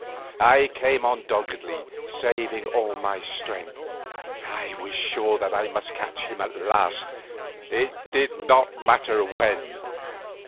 I came on doggedly, saving my strength. I was sure that I must catch him at last, it did not matter when.